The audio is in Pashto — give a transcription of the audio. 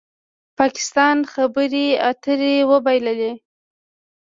پاکستان خبرې اترې وبایللې